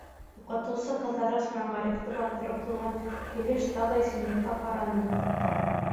Уҡытыусы, Ҡыҙырас менән Ғарифты баҫтырып ҡуйған килеш, тағы исемлеккә ҡараны.